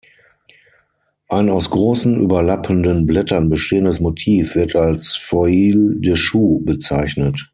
Ein aus großen überlappenden Blättern bestehendes Motiv wird als Feuille de chou bezeichnet.